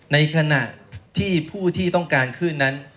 ในขณะที่ผู้ที่ต้องการขึ้นนั้น